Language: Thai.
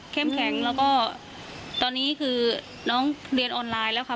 แข็งแล้วก็ตอนนี้คือน้องเรียนออนไลน์แล้วค่ะ